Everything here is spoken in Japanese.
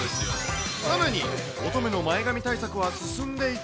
乙女の前髪対策は進んでいて。